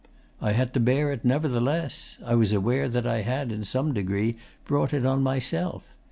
'I had to bear it, nevertheless. I was aware that I had, in some degree, brought it on myself.